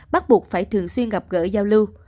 bắt buộc phải thường xuyên gặp gỡ giao lưu